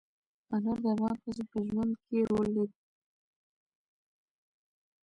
انار د افغان ښځو په ژوند کې رول لري.